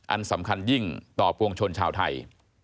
อันสำคัญยิ่งต่อปวงชนชาวไทย